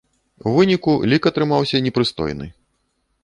У выніку, лік атрымаўся непрыстойны.